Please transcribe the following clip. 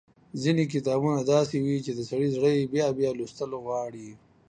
ځينې کتابونه داسې وي چې د سړي زړه يې بيا بيا لوستل غواړي۔